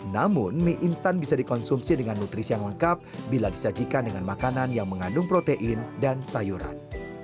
namun mie instan bisa dikonsumsi dengan nutrisi yang lengkap bila disajikan dengan makanan yang mengandung protein dan sayuran